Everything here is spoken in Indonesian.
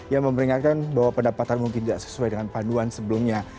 yang memberingatkan bahwa pendapatan mungkin tidak sesuai dengan panduan sebelumnya